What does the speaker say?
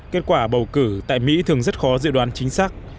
kết quả bầu cử tại mỹ thường rất khó dự đoán chính xác